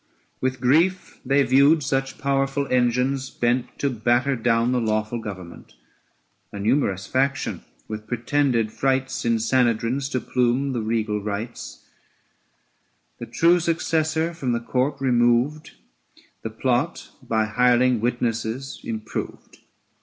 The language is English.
With grief they viewed such powerful engines bent To batter down the lawful government. A numerous faction, with pretended frights, In Sanhedrins to plume the regal rights; 920 The true successor from the Court removed ; The plot by hireling witnesses improved.